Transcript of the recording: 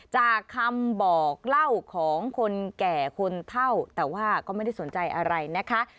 จากคำบอกเล่าของคนแก่คนเท่าแต่ว่าก็ไม่ได้สนใจอะไรนะคะ